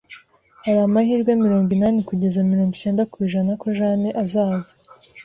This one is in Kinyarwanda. Hari amahirwe mirongo inani kugeza mirongo cyenda ku ijana ko Jane azaza